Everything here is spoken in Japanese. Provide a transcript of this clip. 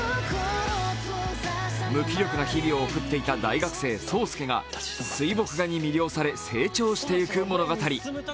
無気力な日々を送っていた大学生、霜介が水墨画に魅了され成長していく物語。